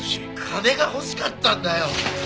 金が欲しかったんだよ！